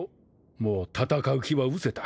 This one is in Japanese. もう戦う気はうせた。